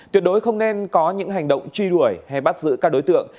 tuyệt đối không nên có những hành động truy đuổi hay bắt giữ các đối tượng